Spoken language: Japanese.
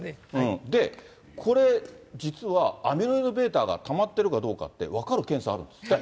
で、これ、実はアミロイドβがたまってるかどうかって、分かる検査あるんですって。